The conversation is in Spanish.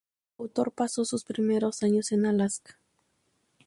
El autor pasó sus primeros años en Alaska.